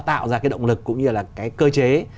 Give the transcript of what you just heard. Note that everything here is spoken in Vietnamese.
tạo ra cái động lực cũng như là cái cơ chế